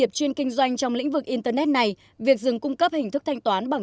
do đó khi nhà mạng dừng cung cấp hình thức thanh toán bằng thẻ cào cổng thanh toán này đã phải chịu những tổn thất